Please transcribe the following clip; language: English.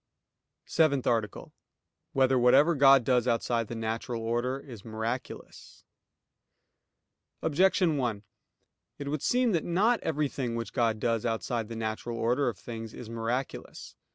_______________________ SEVENTH ARTICLE [I, Q. 105, Art. 7] Whether Whatever God Does Outside the Natural Order Is Miraculous? Objection 1: It would seem that not everything which God does outside the natural order of things, is miraculous.